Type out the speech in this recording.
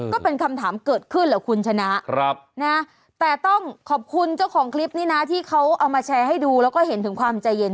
ก็เป็นคำถามเกิดขึ้นแหละคุณชนะแต่ต้องขอบคุณเจ้าของคลิปนี้นะที่เขาเอามาแชร์ให้ดูแล้วก็เห็นถึงความใจเย็น